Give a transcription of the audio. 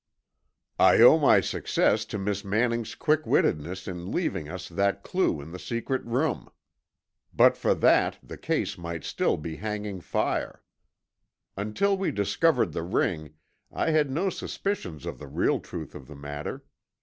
"I owe my success to Miss Manning's quick wittedness in leaving us that clue in the secret room. But for that the case might still be hanging fire. Until we discovered the ring I had no suspicions of the real truth of the matter.